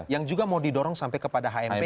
yang juga mau didorong sampai kepada hmp